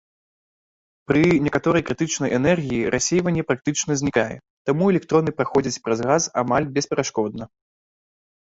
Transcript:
Пры некаторай крытычнай энергіі рассейванне практычна знікае, таму электроны праходзяць праз газ амаль бесперашкодна.